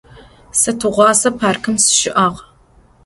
Se tığuase parkım sışı'ağ.